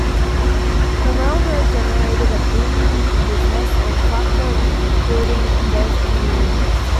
The railroad generated a booming business in flatboat building in both communities.